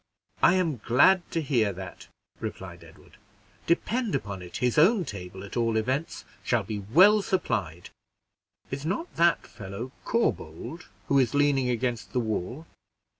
"I am glad to hear that," replied Edward; "depend upon it, his own table, at all events, shall be well supplied. Is not that fellow Corbould, who is leaning against the wall?"